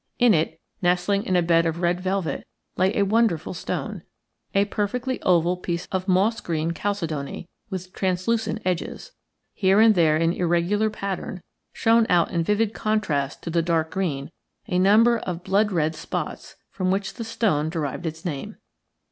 In it, nestling in a bed of red velvet, lay a wonderful stone – a perfectly oval piece of moss green chalcedony with translucent edges. Here and there in irregular pattern shone out in vivid contrast to the dark green a number of blood red spots, from which the stone derived its name.